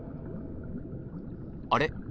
あれ？